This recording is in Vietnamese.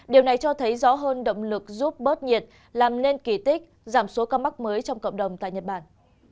điều này cho thấy rõ hơn động lực giúp bớt nhiệt làm nên kỳ tích giảm số ca mắc mới trong cộng đồng tại nhật bản